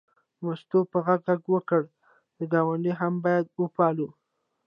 مستو په غږ غږ وکړ دا ګاونډ هم باید وپالو.